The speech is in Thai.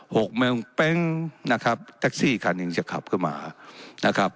โหแป๊งนะครับแท็กซี่คันยังจะขับเข้ามานะครับ